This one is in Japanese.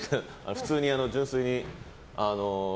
普通に、純粋に。